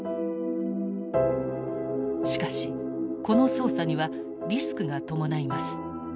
しかしこの操作にはリスクが伴います。